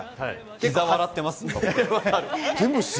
膝笑ってます。